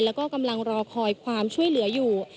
แล้วก็กำลังรอคอยความช่วยเหลืออยู่